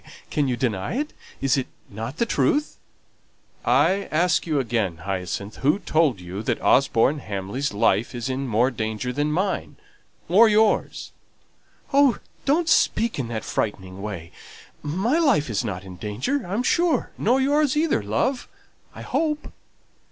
can you deny it? Is it not the truth?" "I ask you again, Hyacinth, who told you that Osborne Hamley's life is in more danger than mine or yours?" "Oh, don't speak in that frightening way. My life is not in danger, I'm sure; nor yours either, love, I hope."